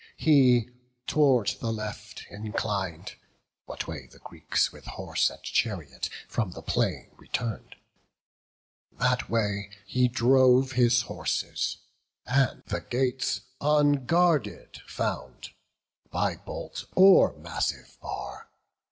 He tow'rd the left inclin'd, what way the Greeks With horse and chariot from the plain return'd. That way he drove his horses; and the gates Unguarded found by bolt or massive bar.